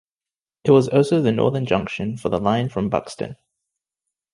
It was also the northern junction for the line from Buxton.